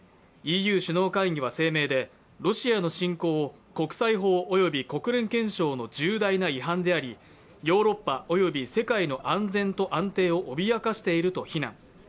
ＥＵ首脳会議は声明でロシアの侵攻を国際法および国連憲章の重大な違反でありヨーロッパおよび世界の安全と安定を脅かしていると非難。